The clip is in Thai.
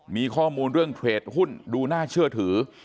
มีข้อมูลเรื่องเทรดหุ้นดูน่าเชื่อถือ